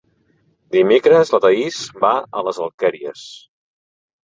Dimecres na Thaís va a les Alqueries.